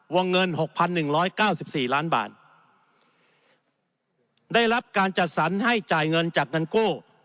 วงเงิน๖๑๙๔ล้านบาทได้รับการจัดสรรให้จ่ายเงินจากเงินกู้